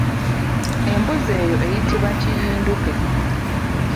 Embuzi eyo eyitibwa kiyinduke.